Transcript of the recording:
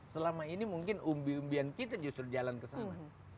selama ini mungkin umbi umbian kita justru jalan ke sana